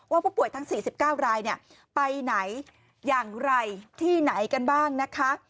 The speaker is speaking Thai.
ผู้ป่วยทั้ง๔๙รายไปไหนอย่างไรที่ไหนกันบ้างนะคะ